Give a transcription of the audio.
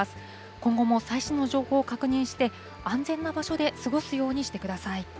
今後も最新の情報を確認して、安全な場所で過ごすようにしてください。